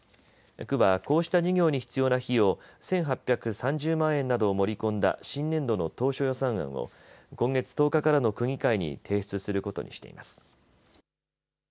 区はこうした事業に必要な費用１８３０万円などを盛り込んだ新年度の当初予算案を今月１０日からの区議会に提出することにしています。